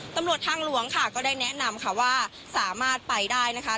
ตำรวจทางหลวงค่ะก็ได้แนะนำค่ะว่าสามารถไปได้นะคะ